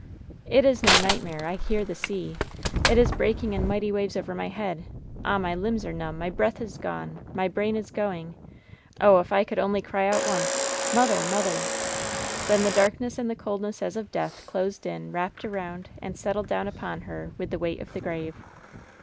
"It is no nightmare. I hear the sea. It is breaking in mighty waves over my head. Ah, my limbs are numb — ^my breath is gone — my brain is going. Oh, if I could only cry out once. Mother ! Mother !" Then the darkness and the coldness as of death closed in, wrapped around, and settled down upon her with the weight of the grave.